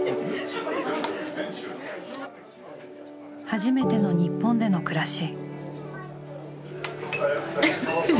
初めての日本での暮らし。